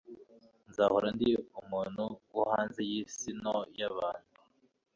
nzahora ndi umuntu wo hanze yisi nto yabantu